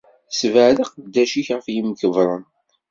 Ssebɛed aqeddac-ik ɣef yimkebbren.